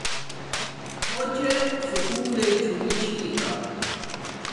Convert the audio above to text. اوچے سکُول لݵ چھوٹی چھی کا